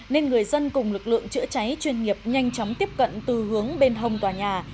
nên người dân cùng lực lượng chữa cháy chuyên nghiệp nhanh chóng tiếp cận từ hướng bên hồng tòa nhà